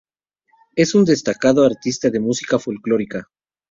Es un destacado artista de música folclórica.